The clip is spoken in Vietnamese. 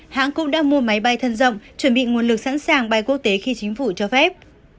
hãng cũng đã mua máy bay thân rộng chuẩn bị nguồn lực sẵn sàng bay quốc tế khi chính phủ cho phép